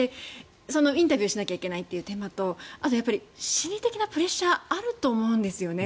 インタビューしないといけないという点だとあとは心理的なプレッシャーがあると思うんですよね。